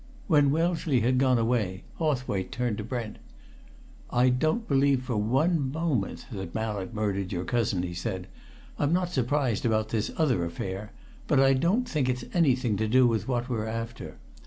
When Wellesley had gone away, Hawthwaite turned to Brent. "I don't believe for one moment that Mallett murdered your cousin!" he said. "I'm not surprised about this other affair, but I don't think it's anything to do with what we're after.